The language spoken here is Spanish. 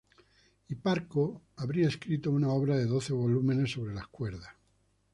Hiparco habría escrito una obra en doce volúmenes sobre las cuerdas.